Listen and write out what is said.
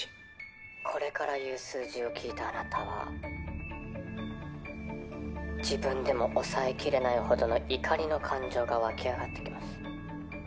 これから言う数字を聞いたあなたは自分でも抑えきれないほどの怒りの感情が沸き上がってきます。